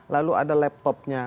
lalu ada laptopnya